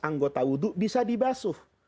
anggota wudhu bisa dibasuh